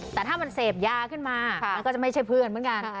แต่ถ้ามันเสพยาขึ้นมามันก็จะไม่ใช่เพื่อนเหมือนกัน